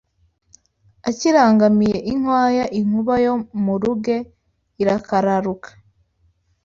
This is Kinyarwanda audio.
Akirangamiye inkwaya inkuba yo muruge irakararuka